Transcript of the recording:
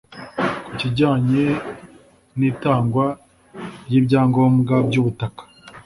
Ku kijyanye n’itangwa ry’ibyangombwa by’ubutaka